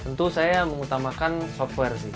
tentu saya mengutamakan software